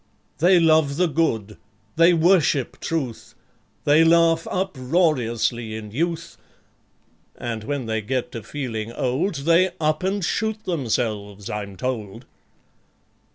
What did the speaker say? They love the Good; they worship Truth; They laugh uproariously in youth; (And when they get to feeling old, They up and shoot themselves, I'm told)